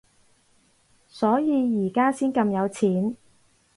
所以而家先咁有錢？